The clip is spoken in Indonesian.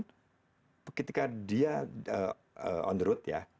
tahap development ketika dia on the road ya